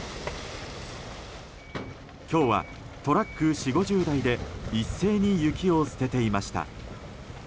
今日は、トラック４０５０台で一斉に雪を捨てていました。